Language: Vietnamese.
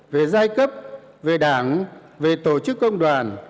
về giai cấp về đảng về tổ chức công đoàn